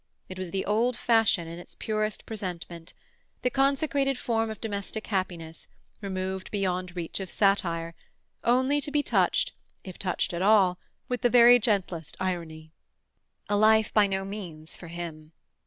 It was the old fashion in its purest presentment; the consecrated form of domestic happiness, removed beyond reach of satire, only to be touched, if touched at all, with the very gentlest irony. A life by no means for him.